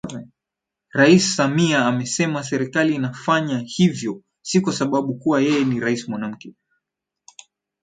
Rais Samia amesema Serikali inafanya hivyo sio kwasababu kuwa yeye ni Rais Mwanamke